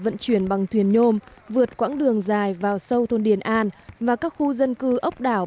vận chuyển bằng thuyền nhôm vượt quãng đường dài vào sâu thôn điền an và các khu dân cư ốc đảo